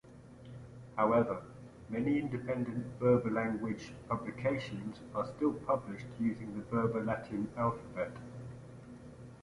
However, many independent Berber-language publications are still published using the Berber Latin alphabet.